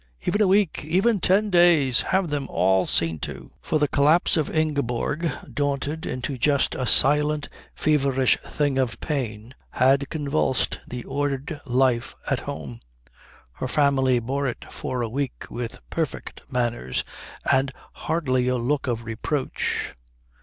Even a week. Even ten days. Have them all seen to." For the collapse of Ingeborg, daunted into just a silent feverish thing of pain, had convulsed the ordered life at home. Her family bore it for a week with perfect manners and hardly a look of reproach.